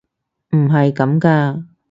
唔係咁㗎！